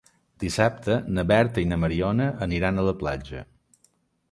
Dissabte na Berta i na Mariona aniran a la platja.